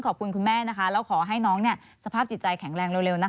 ขอบคุณคุณแม่นะคะแล้วขอให้น้องสภาพจิตใจแข็งแรงเร็วนะคะ